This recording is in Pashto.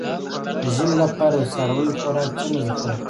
د ژمي لپاره د څارویو خوراک څنګه ذخیره کړم؟